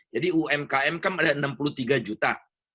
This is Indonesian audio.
jadi umkm kan ada enam puluh tiga juta